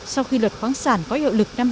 sau khi luật khoáng sản có hiệu lực thi hành